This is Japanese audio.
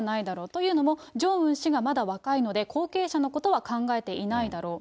というのも、ジョンウン氏がまだ若いので、後継者のことは考えていないだろう。